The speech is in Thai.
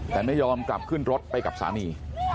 แต่ไม่ยอมกลับขึ้นรถไปกับสามี